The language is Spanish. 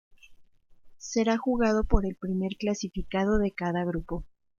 Será jugado por el primer clasificado de cada grupo.